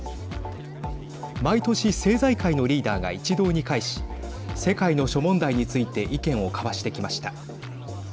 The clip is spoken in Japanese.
毎年政財界のリーダーが一堂に会し世界の諸問題について意見を交わしてきました。